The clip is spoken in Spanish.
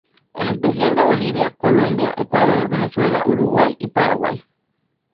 En especial de Bolivia, Colombia, Ecuador, Venezuela, Uruguay y Paraguay.